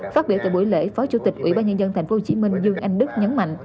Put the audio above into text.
phát biểu tại buổi lễ phó chủ tịch ủy ban nhân dân tp hcm dương anh đức nhấn mạnh